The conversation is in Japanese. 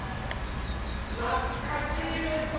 なつかしいでしょ？